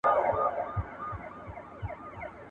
کروندګرو ته د نوو طريقو لارښوونه وکړئ.